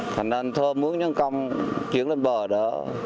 thành nên thơm mướn nhân công chuyển lên bờ đó